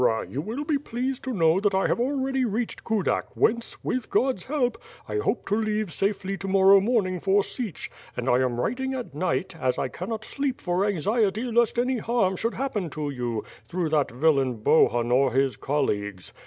you will be pleased to know that I have already reached Kudak whence, with (jiod's help, I hope to leave safely to morrow morning for Sich; and 1 am writing at night, as I cannot sleep for anxiety lest any harm shouhl happen to you, through that villain Bohun or his col leagues.